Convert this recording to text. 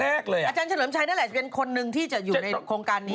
อาจารย์แชรมชัยจะเป็นคนหนึ่งที่จะอยู่ในโครงการนี้